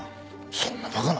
そんなバカな！